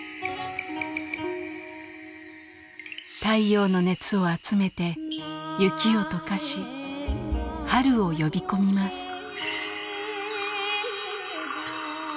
太陽の熱を集めて雪を解かし春を呼び込みます。